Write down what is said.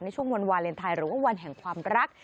ในวันวาเลนไทยหรือวันแห่งความรัก